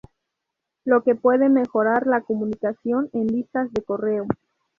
Lo que puede mejorar la comunicación en listas de correo.